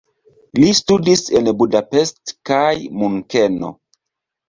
Li studis en Budapest kaj Munkeno.